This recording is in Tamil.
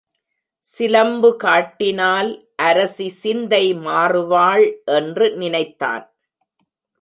சிலம்பு காட்டினால் அரசி சிந்தை மாறுவாள் என்று நினைத்தான்.